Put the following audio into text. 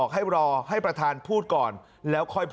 คุณสิริกัญญาบอกว่า๖๔เสียง